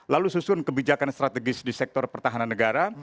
lalu susun kebijakan strategis di sektor pertahanan negara